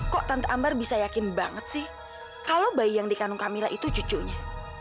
kok tante ambar bisa yakin banget sih kalau bayi yang dikandung camilla itu cucunya